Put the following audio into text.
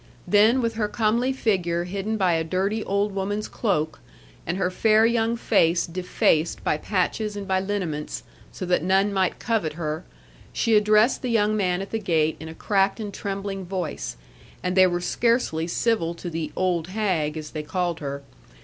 Then with her comely figure hidden by a dirty old woman's cloak, and her fair young face defaced by patches and by liniments, so that none might covet her, she addressed the young man at the gate in a cracked and trembling voice; and they were scarcely civil to the 'old hag,' as they called her.